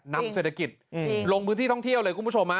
นำเศรษฐกิจลงพื้นที่ท่องเที่ยวเลยคุณผู้ชม